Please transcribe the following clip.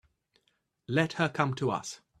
Let her come to us.